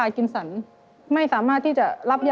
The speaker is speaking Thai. ครับ